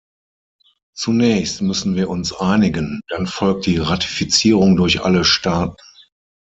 Zunächst müssen wir uns einigen, dann folgt die Ratifizierung durch alle Staaten.